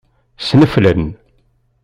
Ssneflen.